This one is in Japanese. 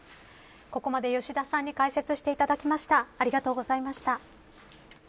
ここまで吉田さんに解説していただきました。